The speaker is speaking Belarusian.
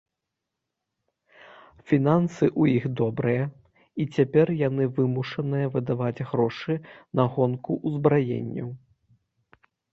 Фінансы ў іх добрыя, і цяпер яны вымушаныя выдаваць грошы на гонку ўзбраенняў.